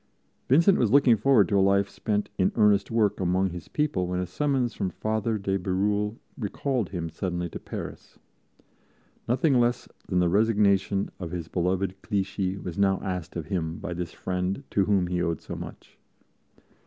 Vincent was looking forward to a life spent in earnest work among his people when a summons from Father de Bérulle recalled him suddenly to Paris. Nothing less than the resignation of his beloved Clichy was now asked of him by this friend to whom he owed so much.